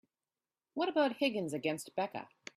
What about Higgins against Becca?